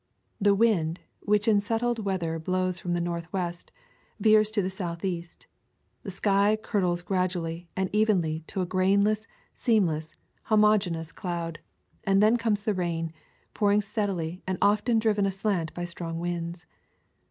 The wind, which in settled weather blows from the northwest, veers to the southeast; the sky curdles gradually and evenly to a grainless, seamless, homogeneous cloud; and then comes the rain, pouring steadily and often driven aslant by strong winds.